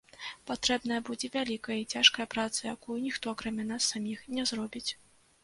Патрэбная будзе вялікая і цяжкая праца, якую ніхто, акрамя нас саміх, не зробіць.